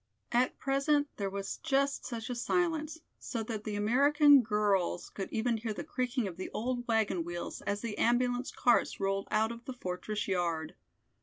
At present there was just such a silence, so that the American girls could even hear the creaking of the old wagon wheels as the ambulance carts rolled out of the fortress yard.